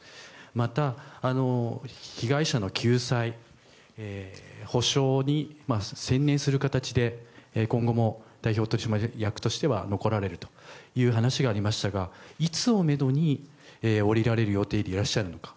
また、被害者の救済、補償に専念する形で今後も代表取締役としては残られるという話がありましたがいつをめどに降りられる予定でいらっしゃるのか